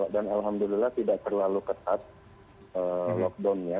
dan alhamdulillah tidak terlalu ketat lockdownnya